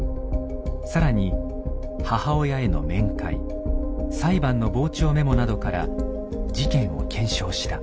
更に母親への面会裁判の傍聴メモなどから事件を検証した。